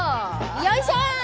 よいしょ！